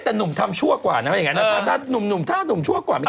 แต่หนุ่มทำชั่วกว่านะถ้าหนุ่มชั่วกว่าไม่กิน